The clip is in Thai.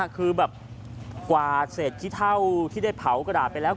คือแบบกว่าเศษขี้เท่าที่ได้เผากระดาษไปแล้ว